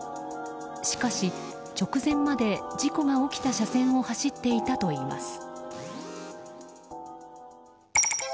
しかし、直前まで事故が起きた車線を走っていたといいます。